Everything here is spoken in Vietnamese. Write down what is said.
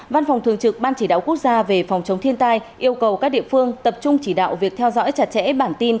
văn phòng thường trực ban chỉ đạo quốc gia về phòng chống thiên tai yêu cầu các địa phương tập trung chỉ đạo việc theo dõi chặt chẽ bản tin